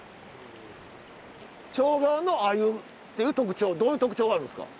庄川のアユっていう特徴どういう特徴があるんですか？